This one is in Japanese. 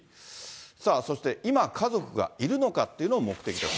さあ、そして今家族がいるのかっていうのが目的で。